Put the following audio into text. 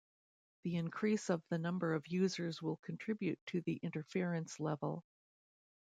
The increase of the number of users will contribute to the interference level.